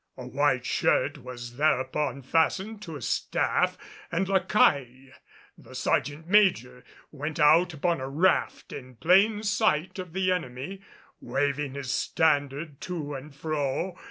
A white shirt was thereupon fastened to a staff, and La Caille, the sergeant major, went out upon a raft in plain sight of the enemy, waving this standard to and fro.